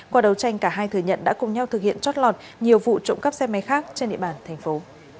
qua đầu tranh cả hai thừa nhận đã cùng nhau thực hiện trót lọt nhiều vụ trộm cắp xe máy khác trên địa bàn thành phố